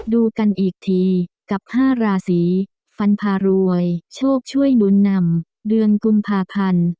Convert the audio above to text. ดูกันอีกทีกับ๕ราศีฟันพารวยโชคช่วยหนุนนำเดือนกุมภาพันธ์